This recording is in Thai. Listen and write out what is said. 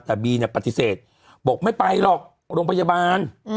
แต่บีเนี่ยรับปษัตริย์บอกไม่ไปหรอกหลงพยาบาล